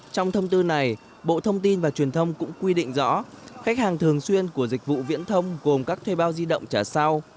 trong thông tư này bộ thông tin và truyền thông cũng quy định rõ khách hàng thường xuyên của dịch vụ viễn thông gồm các thuê bao di động trả sau